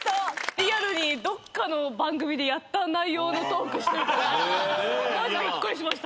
リアルにどっかの番組でやった内容のトークしてるからマジびっくりしました！